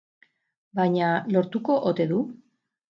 Baina lortuko ote du?